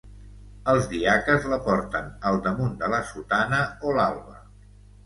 Els diaques la porten al damunt de la sotana o l'alba.